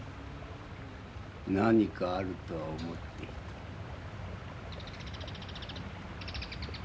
何かあるとは思っていた。